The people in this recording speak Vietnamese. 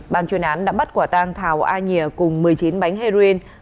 bàn chuyên án đã bắt quả tang thào a nhìa cùng một mươi chín bánh heroin